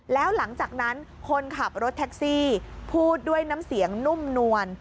แล้วหลังจากนั้นคนขับรถแท็กซี่พูดด้วยน้ำเสียงนุ่มนวล